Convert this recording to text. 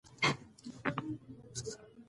د معياري ټولګي لپاره مهم نقاط: